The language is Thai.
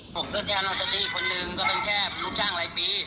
ผมก็แค่อันตรศิษย์คนหนึ่งก็เป็นแค่ลูกช่างหลายปี